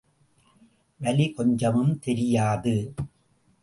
வலி கொஞ்சமும் தெரியாது.